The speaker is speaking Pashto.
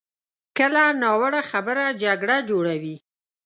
کله ناوړه خبره جګړه جوړوي.